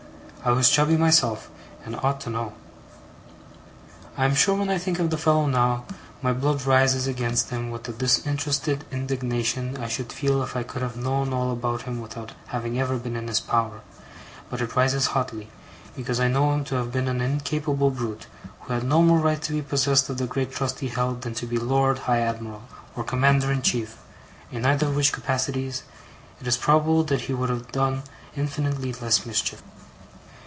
I was chubby myself, and ought to know. I am sure when I think of the fellow now, my blood rises against him with the disinterested indignation I should feel if I could have known all about him without having ever been in his power; but it rises hotly, because I know him to have been an incapable brute, who had no more right to be possessed of the great trust he held, than to be Lord High Admiral, or Commander in Chief in either of which capacities it is probable that he would have done infinitely less mischief.